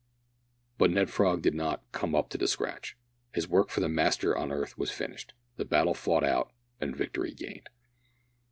But Ned Frog did not "come up to the scratch." His work for the Master on earth was finished the battle fought out and the victory gained.